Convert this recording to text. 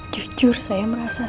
jujur saya merasa sedih mas